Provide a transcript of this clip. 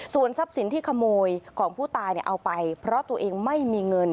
ส่วนทรัพย์สินที่ขโมยของผู้ตายเอาไปเพราะตัวเองไม่มีเงิน